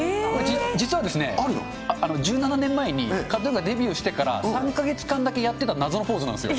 実はですね、１７年前にＫＡＴーＴＵＮがデビューしてから３か月間だけやってた謎のポーズなんですよ。